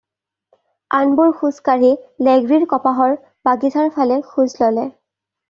আনবোৰ খোজ কাঢ়ি লেগ্ৰীৰ কপাহৰ বাগিচাৰ ফালে খোজ ল'লে।